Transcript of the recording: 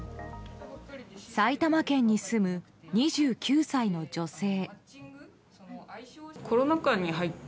埼玉県に住む２９歳の女性。